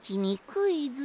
クイズ？